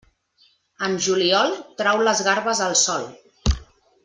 En juliol, trau les garbes al sol.